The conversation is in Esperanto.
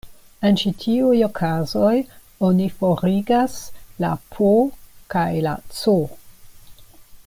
En ĉi tiuj okazoj, oni forigas la "P" kaj la "C".